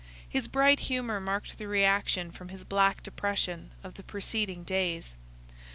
His bright humour marked the reaction from his black depression of the preceding days.